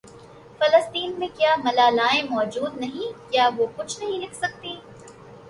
فلسطین میں کیا ملالائیں موجود نہیں کیا وہ کچھ نہیں لکھ سکتیں